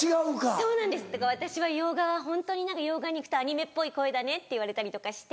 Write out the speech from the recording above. そうなんですだから私は洋画はホントに何か洋画に行くとアニメっぽい声だねって言われたりとかして。